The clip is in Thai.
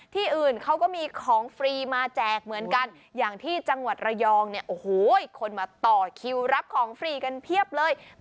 อื่นเขาก็มีของฟรีมาแจกเหมือนกันอย่างที่จังหวัดระยองเนี่ยโอ้โหคนมาต่อคิวรับของฟรีกันเพียบเลย